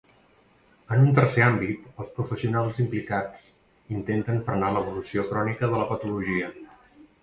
En un tercer àmbit, els professionals implicats intenten frenar l'evolució crònica de la patologia.